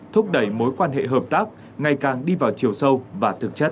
thúc đẩy mối quan hệ hợp tác ngày càng đi vào chiều sâu và thực chất